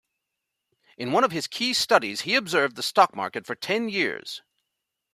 In one of his key studies, he observed the stock market for ten years.